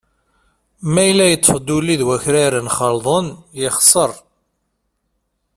Ma yella yeṭṭef-d ulli d awkraren xelḍen, yexser.